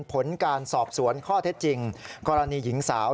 ผลการสอบสวนข้อเท็จจริงกรณีหญิงสาว